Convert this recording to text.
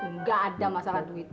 enggak ada masalah duit pa